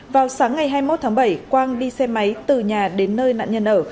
vào sáng ngày hai mươi một tháng bảy quang đi xe máy từ nhà đến nơi nạn nhân ở